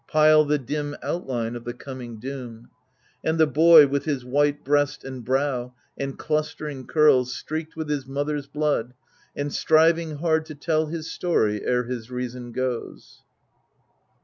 Pile the dim outline of the coming doom. And the boy With his white breast and brow, and clustering curls, Streaked with his mother's blood, and striving hard To tell his story ere his reason goes."